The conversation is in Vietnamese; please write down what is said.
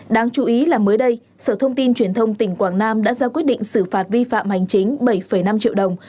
đáng chú ý là mới đây sở thông tin truyền thông tỉnh quảng nam đã ra quyết định xử phạt vi phạm hành chính bảy năm triệu đồng